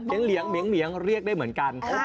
เลี้ยงเรียกได้เหมือนกัน